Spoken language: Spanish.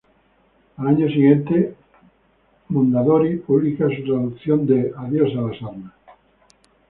Al año siguiente Mondadori publica su traducción de "Adiós a las armas".